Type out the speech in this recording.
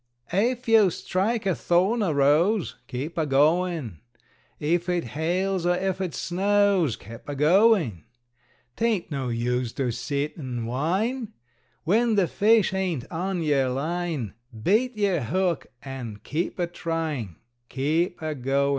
Ef you strike a thorn or rose, Keep a goin'! Ef it hails, or ef it snows, Keep a goin! 'Taint no use to sit an' whine, When the fish ain't on yer line; Bait yer hook an' keep a tryin' Keep a goin'!